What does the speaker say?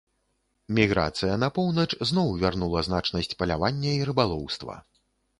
Міграцыя на поўнач зноў вярнула значнасць палявання і рыбалоўства.